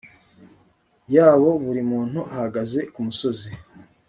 yabo buri muntu ahagaze ku musozi